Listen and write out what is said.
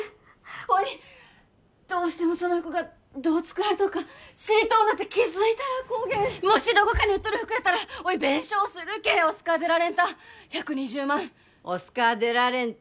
おいどうしてもその服がどう作られとるか知りとうなって気づいたらこげんもしどこかに売っとる服やったらおい弁償するけえオスカー・デ・ラ・レンタ１２０万オスカー・デ・ラ・レンタ？